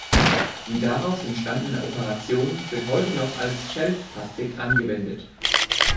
Die daraus entstandene Operation wird heute noch als „Shelf-Plastik“ angewendet.